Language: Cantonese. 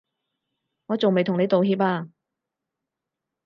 我仲未同你道歉啊